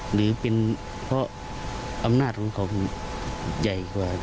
หรือเป็นเพราะอำนาจของเขา